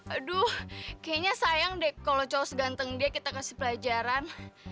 aduh kayaknya sayang deh kalau charles ganteng dia kita kasih pelajaran